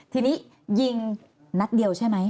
ทีนี้ยิงนัดเดียวใช่ไหม